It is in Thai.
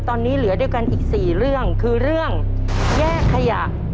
ตอนนี้เหลือด้วยกันอีก๔เรื่องคือเรื่องแยกขยะ